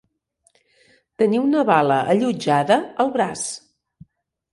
Tenir una bala allotjada al braç.